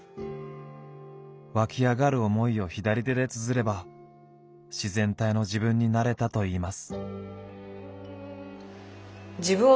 湧き上がる思いを左手でつづれば自然体の自分になれたといいます。